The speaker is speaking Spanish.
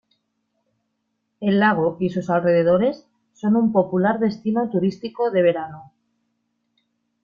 El lago y sus alrededores son un popular destino turístico de verano.